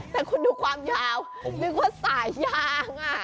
แต่คุณดูความยาวนึกว่าสายยาง